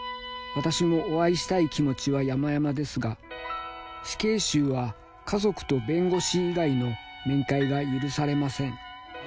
私もお会いしたい気持ちは山々ですが死刑囚は家族と弁護士以外の面会が許されません。